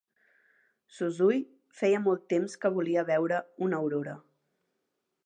Suzui feia molt temps que volia veure una aurora.